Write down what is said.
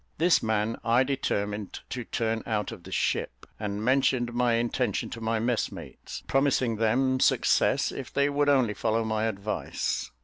This man I determined to turn out of the ship, and mentioned my intention to my messmates, promising them success if they would only follow my advice.